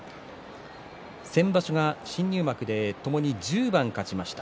先場所が新入幕でともに１０番勝ちました。